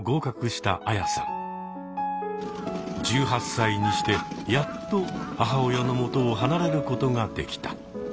１８歳にしてやっと母親のもとを離れることができた。